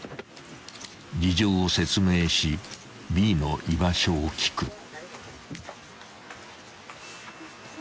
［事情を説明しＢの居場所を聞く］